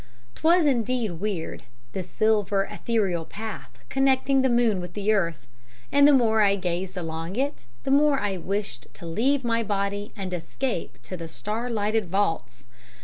'Twas indeed weird this silver ethereal path connecting the moon with the earth, and the more I gazed along it, the more I wished to leave my body and escape to the star lighted vaults.